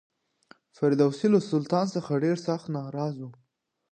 فردوسي له سلطان څخه ډېر سخت ناراض و.